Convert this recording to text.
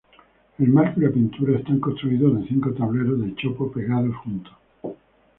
El marco y la pintura están construidos de cinco tableros de chopo pegados juntos.